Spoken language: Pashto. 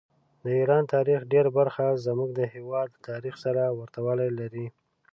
د ایران تاریخ ډېره برخه زموږ د هېواد له تاریخ سره ورته والي لري.